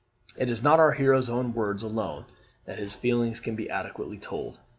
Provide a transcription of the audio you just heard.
It is in our hero's own words alone that his feelings can be adequately told.